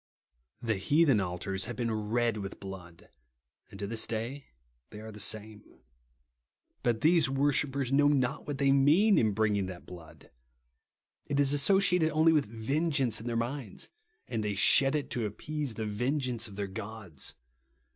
The heathen altars have been red with blood ; and to this day they are the same. But these worshippers know not what they mean, in bringing that blood. It is asso ciated only with vengeance in their minds ; and they shed it, to appease the vengeance of their gods.